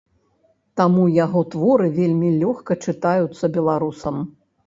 Таму яго творы вельмі лёгка чытаюцца беларусам.